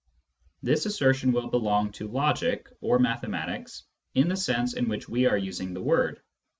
This assertion will belong to logic (or mathematics) in the sense in which we are using the word.